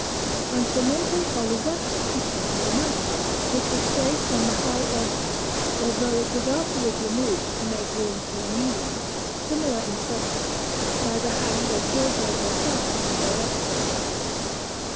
And for Monte Oliveto he painted another, which was placed on the high altar, although it was afterwards removed to make room for a new one, similar in subject, by the hand of Giorgio Vasari of Arezzo.